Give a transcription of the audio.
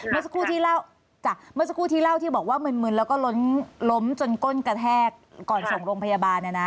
เมื่อสักครู่ที่เล่าที่มึนแล้วก็ล้มล้มจนก้นกระแทกก่อนส่งโรงพยาบาล